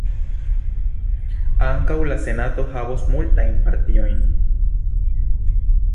Ankaŭ la Senato havos multajn partiojn.